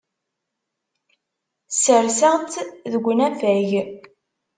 Sserseɣ-tt deg unafag.